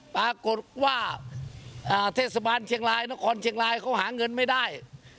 ปรากฏว่าเทศบาลเชียงรายนครเชียงรายเขาหาเงินไม่ได้